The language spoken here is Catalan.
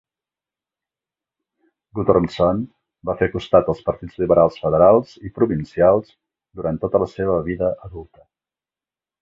Guttormson va fer costat als partits liberals federals i provincials durant tota la seva vida adulta.